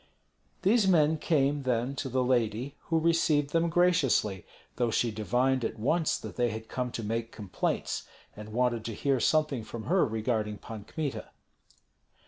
These men came, then, to the lady, who received them graciously, though she divined at once that they had come to make complaints, and wanted to hear something from her regarding Pan Kmita.